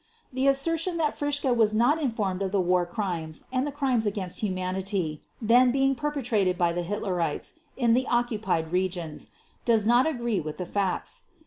The assertion that Fritzsche was not informed of the War Crimes and the Crimes against Humanity then being perpetrated by the Hitlerites in the occupied regions does not agree with the facts.